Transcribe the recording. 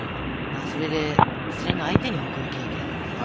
それで失恋の相手に贈るケーキだからさ。